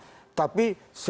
seluruh rakyat indonesia